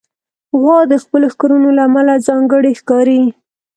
غوا د خپلو ښکرونو له امله ځانګړې ښکاري.